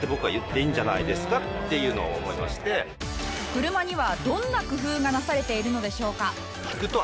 車にはどんな工夫がなされているのでしょうか？